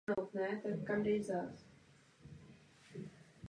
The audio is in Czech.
Tato válka později vyústila v mnohem rozsáhlejší války o rakouské dědictví.